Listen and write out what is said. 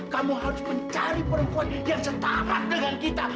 kamu harus mencari perempuan yang setara dengan kita